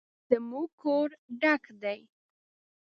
زموږ کور ډک دی